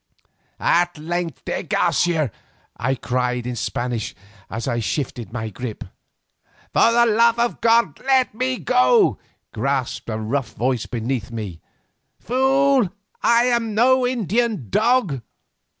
"At length, de Garcia!" I cried in Spanish as I shifted my grip. "For the love of God let me go!" gasped a rough voice beneath me. "Fool, I am no Indian dog."